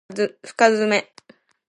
深爪